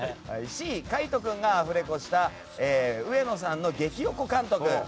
Ｃ、海渡君がアフレコした植野さんの激おこ監督